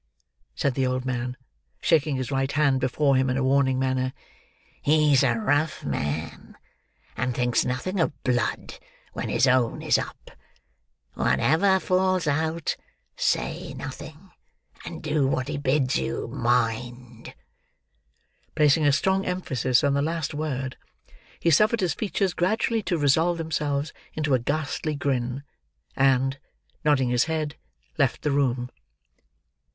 said the old man, shaking his right hand before him in a warning manner. "He's a rough man, and thinks nothing of blood when his own is up. Whatever falls out, say nothing; and do what he bids you. Mind!" Placing a strong emphasis on the last word, he suffered his features gradually to resolve themselves into a ghastly grin, and, nodding his head, left the room.